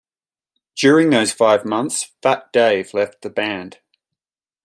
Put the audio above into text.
During those five months, Fat Dave left the band.